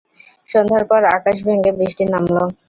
সন্ধ্যার পর আকাশ ভেঙে বৃষ্টি নামল।